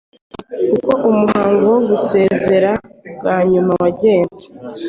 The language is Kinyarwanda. Uko umuhango wo gusezera bwa nyuma wagenze